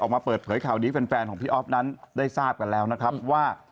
ออกมาเปิดเผยข่าวนี้แฟนของพี่อ๊อฟนั้นได้ทราบกันแล้วนะครับว่า